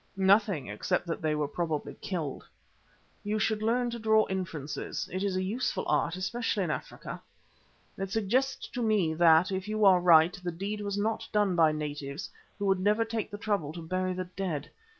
"Nothing, except that they were probably killed." "You should learn to draw inferences. It is a useful art, especially in Africa. It suggests to me that, if you are right, the deed was not done by natives, who would never take the trouble to bury the dead.